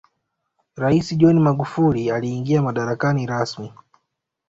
raisi john magufuli aliingia madarakani rasmi